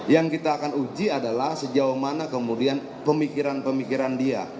yang kita akan uji adalah sejauh mana kemudian pemikiran pemikiran dia